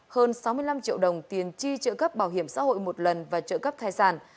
hơn sáu mươi năm triệu đồng tiền chi trợ cấp bảo hiểm xã hội một lần và trợ cấp thai sản